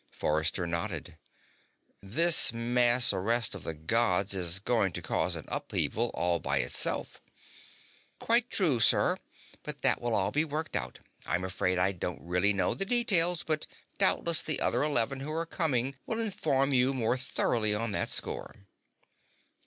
Forrester nodded. "This mass arrest of the Gods is going to cause an upheaval all by itself." "Quite true, sir. But that will be worked out. I'm afraid I don't really know the details, but doubtless the other eleven who are coming will inform you more thoroughly on that score."